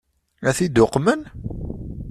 Ad t-id-uqmen?